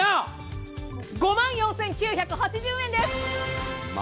５万４９８０円です。